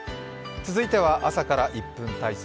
続いては「朝から１分体操」。